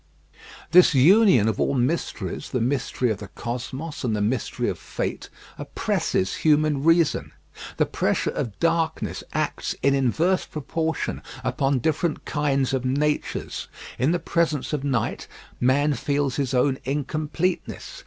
This union of all mysteries the mystery of the Cosmos and the mystery of Fate oppresses human reason. The pressure of darkness acts in inverse proportion upon different kinds of natures. In the presence of night man feels his own incompleteness.